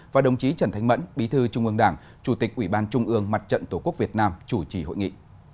và đồng chí trần thánh mẫn bí thư trung ương đảng chủ tịch ủy ban trung ương mặt trận tổ quốc việt nam chủ trì hội nghị